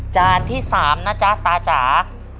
จานที่๓นะจ๊ะตาจ๋า